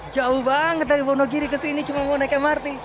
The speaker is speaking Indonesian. jauh banget dari wonogiri ke sini cuma mau naik mrt